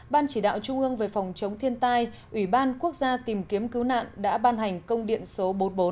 ban chỉ đạo trung ương về phòng chống thiên tai ủy ban quốc gia tìm kiếm cứu nạn đã ban hành công điện số bốn trăm bốn mươi bốn